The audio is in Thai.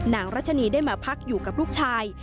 รัชนีได้มาพักอยู่กับลูกชาย